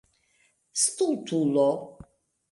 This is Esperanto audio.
stultulo